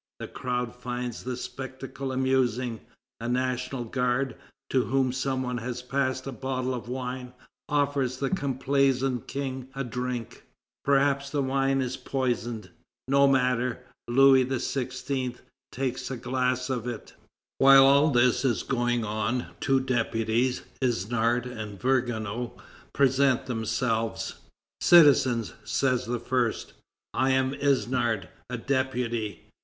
The crowd find the spectacle amusing. A National Guard, to whom some one has passed a bottle of wine, offers the complaisant King a drink. Perhaps the wine is poisoned. No matter; Louis XVI. takes a glass of it. While all this is going on, two deputies, Isnard and Vergniaud, present themselves. "Citizens," says the first, "I am Isnard, a deputy.